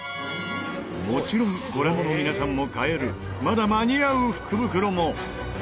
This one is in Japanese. もちろんご覧の皆さんも買えるまだ間に合う福袋も！